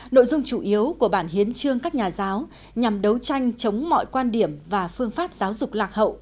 nội dung chủ yếu của bản hiến chương các nhà giáo nhằm đấu tranh chống mọi quan điểm và phương pháp giáo dục lạc hậu